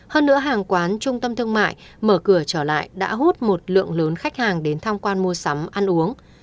hơn nữa hàng quán trung tâm thương mại mở cửa trở lại đã hút một lượng lớn khách hàng đến tham quan mua sắm ăn uống